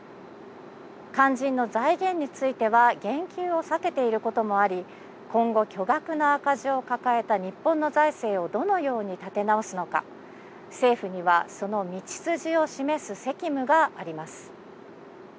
肝心の財源については、言及を避けていることもあり、今後、巨額の赤字を抱えた日本の財政をどのように立て直すのか、政府にはその道筋を示す責務があります。